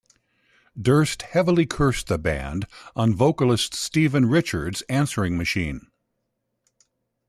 Durst heavily cursed the band on vocalist Stephen Richards' answering machine.